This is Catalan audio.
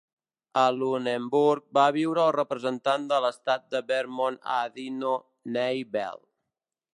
A Lunenburg va viure el representant de l"Estat de Vermont Adino Nye Bell.